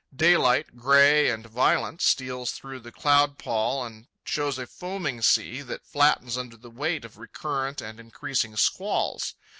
Daylight, gray and violent, steals through the cloud pall and shows a foaming sea that flattens under the weight of recurrent and increasing squalls.